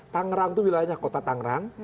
tangerang itu wilayahnya kota tangerang